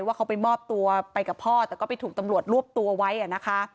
ว่าเขาไปมอบตัวไปกับพ่อแต่ก็ไปถูกตำรวจรวบตัวไว้นะคะ